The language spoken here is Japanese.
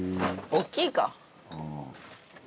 「大きい方？」